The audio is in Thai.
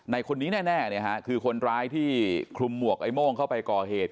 คนนี้แน่คือคนร้ายที่คลุมหมวกไอ้โม่งเข้าไปก่อเหตุ